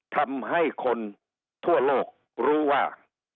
ทำให้คนทั่วโลกรู้ว่า